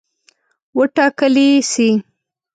وټاکلي سي.